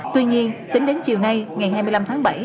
tuy nhiên tính đến chiều nay ngày hai mươi năm tháng bảy